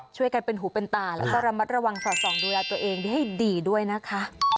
ช่วยกันเป็นหูเป็นตาแล้วก็ระมัดระวังสอดส่องดูแลตัวเองให้ดีด้วยนะคะ